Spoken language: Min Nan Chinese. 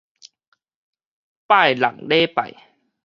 拜六禮拜